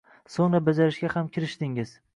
Soʻngra bajarishga ham kirishdingiz.